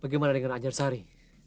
bagaimana dengan anjar sari